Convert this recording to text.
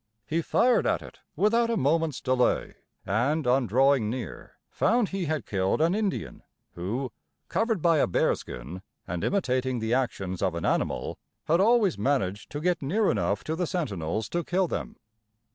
He fired at it without a moment's delay, and, on drawing near, found he had killed an Indian, who, covered by a bearskin, and imitating the actions of an animal, had always managed to get near enough to the sentinels to kill them.